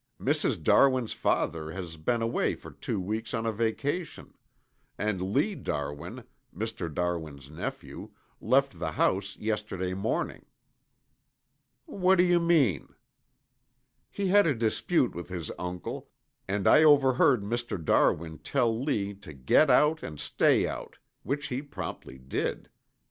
Mrs. Darwin's father has been away for two weeks on a vacation, and Lee Darwin, Mr. Darwin's nephew, left the house yesterday morning." "What do you mean?" "He had a dispute with his uncle and I overheard Mr. Darwin tell Lee to get out and stay out, which he promptly did.